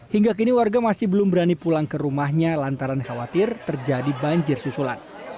hingga kini warga masih belum berani pulang ke rumahnya lantaran khawatir terjadi banjir susulan